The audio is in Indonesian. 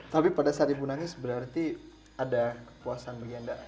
tapi pada saat ibu nangis berarti ada kepuasan bagi anda